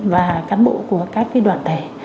và cán bộ của các đoàn thể